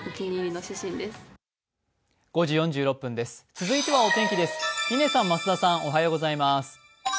続いてはお天気です。